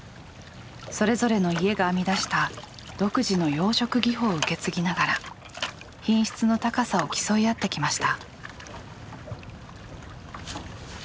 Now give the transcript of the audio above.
それぞれの家が編み出した独自の養殖技法を受け継ぎながら品質の高さを競い合ってきました。